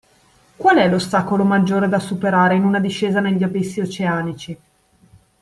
Qual è l’ostacolo maggiore da superare in una discesa negli abissi oceanici?